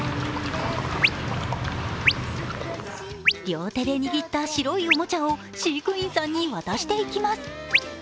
両手で握った白いおもちゃを飼育員さんに渡していきます。